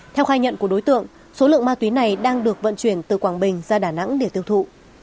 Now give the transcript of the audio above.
theo khai nhận của đối tượng số lượng ma túy này đang được vận chuyển từ quảng bình ra đà nẵng để tiêu thụ